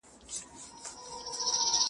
که تر شاتو هم خواږه وي ورک دي د مِنت خواړه سي,